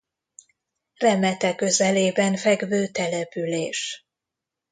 Remete közelében fekvő település.